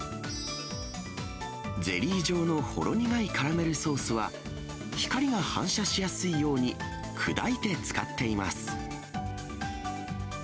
ゼリー状のほろ苦いカラメルソースは、光が反射しやすいように砕いて使っています。